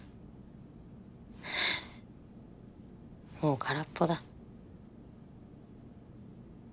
もうからっぽだ